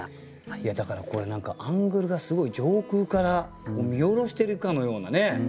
いやだからこれ何かアングルがすごい上空から見下ろしてるかのようなね